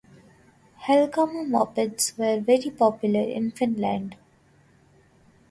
Helkama-mopeds were very popular in Finland.